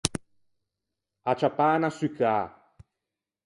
Acciappâ unna succâ.